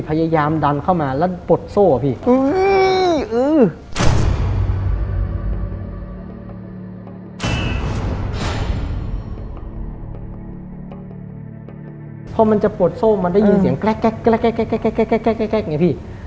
พยายามดันเข้ามาพูดโซ่พี่